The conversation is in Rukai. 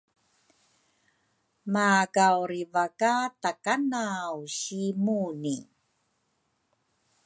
makawriva ka Takanaw si Muni.